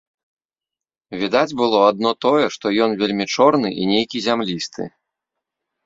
Відаць было адно тое, што ён вельмі чорны і нейкі зямлісты.